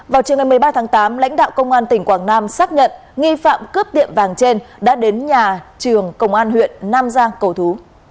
vào trường ngày một mươi ba tháng tám lãnh đạo công an tỉnh quảng nam xác nhận nghi phạm cướp tiệm vàng trên đã đến nhà trường công an huyện nam giang cầu thú